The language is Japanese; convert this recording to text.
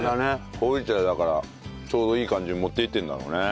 ほうじ茶だからちょうどいい感じに持っていってるんだろうね。